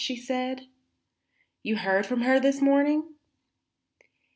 she said. "You heard from her this morning?"